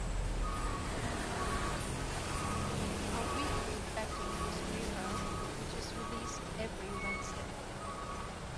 A weekly betting newspaper which is released every Wednesday.